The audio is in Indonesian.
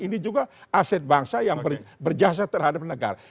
ini juga aset bangsa yang berjasa terhadap negara